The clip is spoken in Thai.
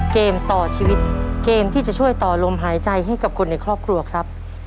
เกมต่อชีวิตเกมที่จะช่วยต่อลมหายใจให้กับคนในครอบครัวครับ